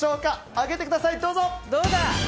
上げてください、どうぞ！